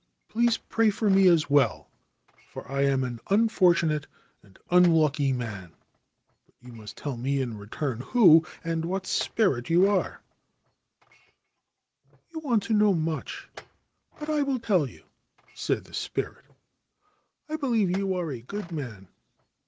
Please pray for me as well, for I am an unfortunate and unlucky man ; but you must tell me in return who and what spirit you are/ ' You want to know much ; but I will tell you/ said the spirit. ' I believe you are a good man.